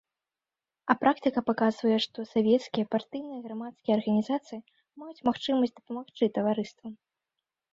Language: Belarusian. А практыка паказвае, што савецкія, партыйныя, грамадскія арганізацыі маюць магчымасць дапамагчы таварыствам.